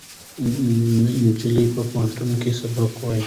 نجلۍ په پوهنتون کې سبق وایه.